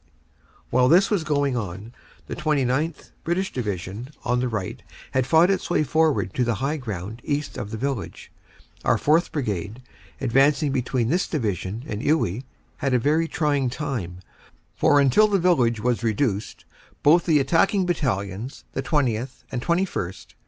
While this was going on, the 49th. British Division on the right had fought its way forward to the high ground east of the village. Our 4th. Brigade, advancing between this Divi sion and Iwuy, had a very trying time, for until the village was reduced both the attacking Battalions, the 20th. and 21st.